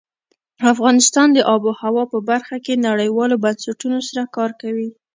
افغانستان د آب وهوا په برخه کې نړیوالو بنسټونو سره کار کوي.